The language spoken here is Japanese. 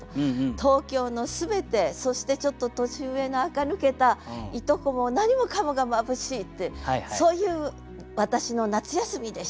東京の全てそしてちょっと年上なあか抜けた従姉妹も何もかもが眩しいってそういう私の夏休みでした。